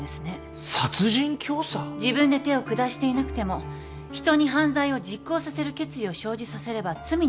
自分で手を下していなくても人に犯罪を実行させる決意を生じさせれば罪に問われるの。